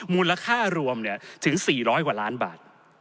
มูลค่ารวมถึง๔๐๐กว่าล้านบาท